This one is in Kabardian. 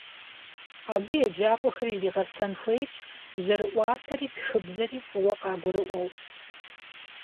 Абы еджакӏуэхэр иригъэсэн хуейщ жьэрыӏуатэри тхыбзэри фӏыуэ къагурыӏуэу.